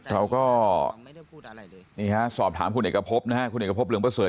เราก็นี่ฮะสอบถามคุณเหกาพบคุณเหกาพบเรืองประเสริฯ